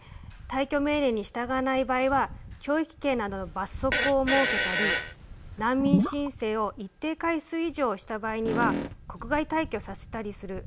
退去命令に従わない場合は懲役刑などの罰則を設けたり難民申請を一定回数以上した場合には国外退去させたりする。